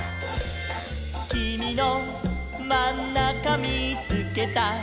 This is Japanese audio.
「きみのまんなかみーつけた」